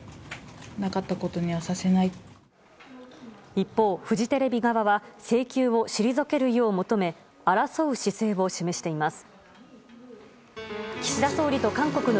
一方、フジテレビ側は請求を退けるよう求め争う姿勢を示しています。